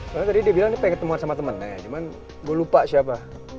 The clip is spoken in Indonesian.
soalnya dia bilang dia pengen ketemuan sama temen nah ya cuman gue lupa siapa